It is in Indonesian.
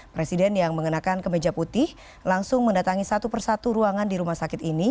presiden yang mengenakan kemeja putih langsung mendatangi satu persatu ruangan di rumah sakit ini